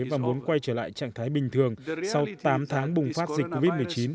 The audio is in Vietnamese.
và muốn quay trở lại trạng thái bình thường sau tám tháng bùng phát dịch covid một mươi chín